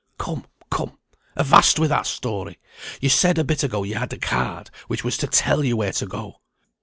"Come, come; avast with that story. You said a bit ago you'd a card, which was to tell you where to go."